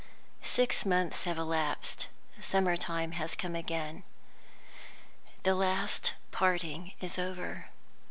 SIX months have elapsed. Summer time has come again. The last parting is over.